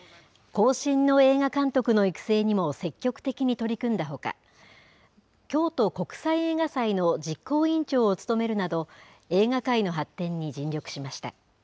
後進の映画監督の育成にも積極的に取り組んだほか京都国際映画祭の実行委員長を務めるなど映画界の発展に尽力しました。